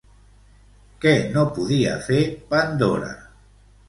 Què no podia fer Pandora?